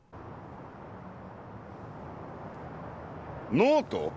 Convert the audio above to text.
ノート？